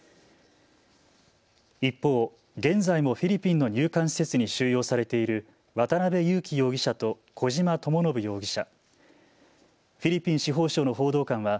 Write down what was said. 一方、現在もフィリピンの入管施設に収容されている渡邉優樹容疑者と小島智信容疑者。